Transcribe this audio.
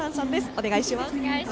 お願いします。